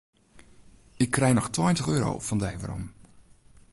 Ik krij noch tweintich euro fan dy werom.